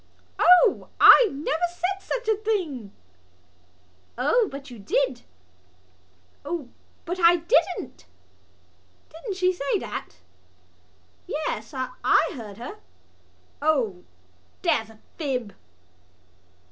"O, I never said such a thing!" "O, but you did!" "O, but I didn't!" "Didn't she say that?" "Yes. I heard her." "O, there's a ... fib!"